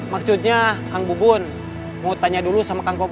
maksudnya kang bu bun mau tanya dulu sama kang gobang